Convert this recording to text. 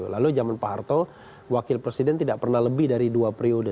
lalu zaman pak harto wakil presiden tidak pernah lebih dari dua periode